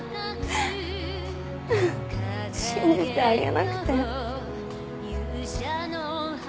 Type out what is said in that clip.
信じてあげなくて。